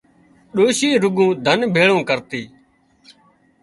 ڏوشي رُڄون ڌن ڀيۯون ڪرتي